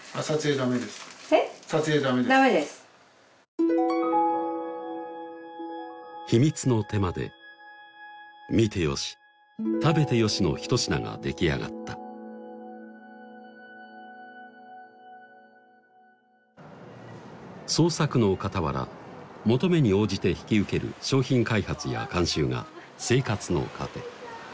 ダメです秘密の手間で見て良し食べて良しのひと品が出来上がった創作のかたわら求めに応じて引き受ける商品開発や監修が生活の糧